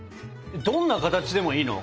どんな形でもいいの？